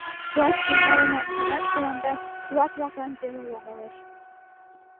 - Пуаш тӱҥалыт гынат, тыланда, кулак-влаклан веле логалеш.